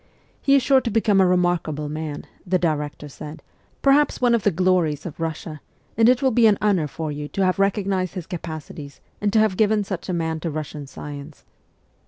' He is sure to become a remarkable man,' the director said, 'perhaps one of the glories of Kussia, and it will be an honour for you to have recognized his capacities and to have given such a man to Russian science.'